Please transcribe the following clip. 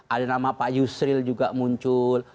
ada nama pak yusril juga muncul